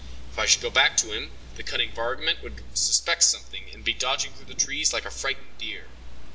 If I should go back to him, the cunning varmint would suspect something, and be dodging through the trees like a frightened deer."